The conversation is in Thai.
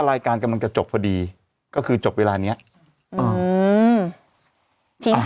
ลายการกำลังจะจบพอดีก็คือจบเวลาเนี้ยอืมทิ้งนา